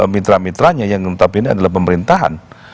mitra mitranya yang tetap ini adalah pemerintahan